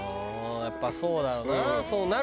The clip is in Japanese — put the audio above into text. やっぱりそうだろうな。